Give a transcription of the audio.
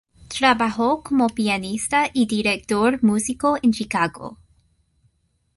Trabajó como pianista y director músico en Chicago.